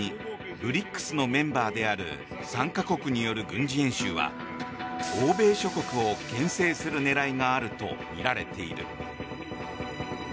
ＢＲＩＣＳのメンバーである３か国による軍事演習は欧米諸国をけん制する狙いがあるとみられている。